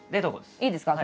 いいですか？